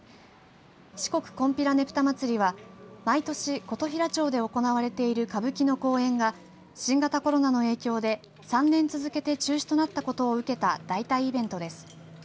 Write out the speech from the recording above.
四国金毘羅ねぷた祭りは毎年、琴平町で行われている歌舞伎の公演が新型コロナの影響で３年続けて中止となったことを受けた代替イベントです。